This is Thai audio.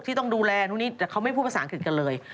ต้องดูแลนู่นนี่แต่เขาไม่พูดภาษาอังกฤษกันเลย